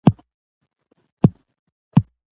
د مېلو له امله خلک له یو بل سره نږدې کېږي.